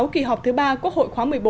kỳ họp thứ ba quốc hội khóa một mươi bốn